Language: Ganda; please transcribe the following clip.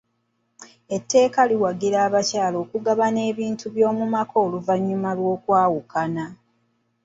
Etteeka liwagira abakyala okugabana ebintu by'omu maka oluvannyuma lw'okwawukana.